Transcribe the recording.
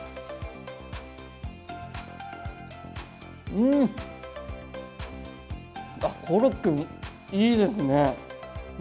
うん！あっコロッケいいですねうん。